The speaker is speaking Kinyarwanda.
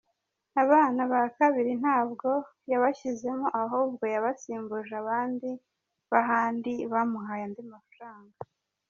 Abana ba kabiri ntabwo yabashyizemo ahubwo yabasimbuje abandi b’ahandi bamuhaye andi mafaranga.